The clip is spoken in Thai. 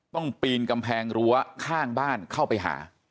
ปีนกำแพงรั้วข้างบ้านเข้าไปหา